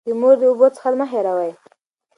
د مور د اوبو څښل مه هېروئ.